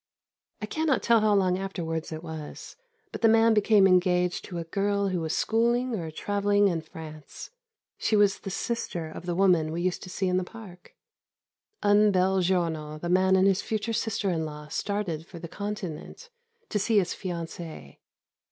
I cannot tell how long afterwards it was, but the man became engaged to a girl who was schooling or travelling in France. She was the sister of the woman we used to see in the Park. Un bel giorno the man and his future sister in law started for the Continent, to see his fiancée.